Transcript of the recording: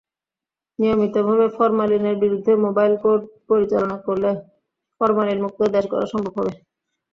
নিয়মিতভাবে ফরমালিনের বিরুদ্ধে mobile court পরিচালনা করলে ফরমালিনমুক্ত দেশ গড়া সম্ভব হবে।